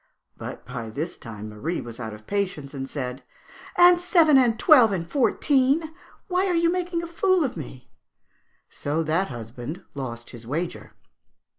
"' But by this time Marie was out of patience, and said, 'And seven, and twelve, and fourteen! Why, you are making a fool of me!' So that husband lost his wager.